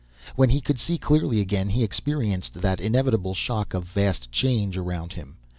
When he could see clearly again, he experienced that inevitable shock of vast change around him.